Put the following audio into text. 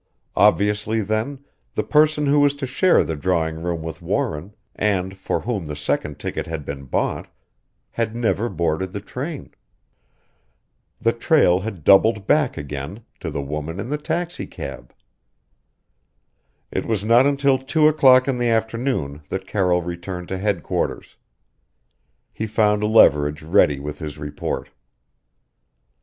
Obviously, then, the person who was to share the drawing room with Warren, and for whom the second ticket had been bought, had never boarded the train. The trail had doubled back again to the woman in the taxicab. It was not until two o'clock in the afternoon that Carroll returned to headquarters. He found Leverage ready with his report.